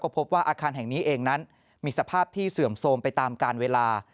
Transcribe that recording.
พบว่าอาคารแห่งนี้เองนั้นมีสภาพที่เสื่อมโทรมไปตามการเวลา